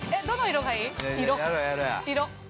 色。